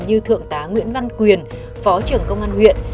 như thượng tá nguyễn văn quyền phó trưởng công an huyện